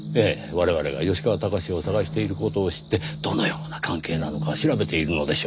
我々が吉川崇を捜している事を知ってどのような関係なのか調べているのでしょう。